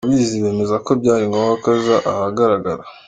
ababizi bemeza ko byari ngombwa ko aza ahagaragara.